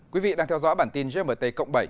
quý vị đang theo dõi bản tin gmt cộng bảy